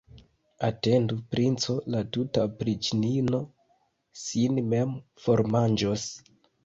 Atendu, princo, la tuta opriĉnino sin mem formanĝos.